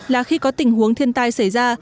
là khi có tình huống thiên tai xảy ra